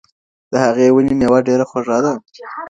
د هغې ونې مېوه ډېره خوږه ده.